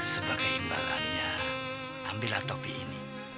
sebagai imbalannya ambillah topi ini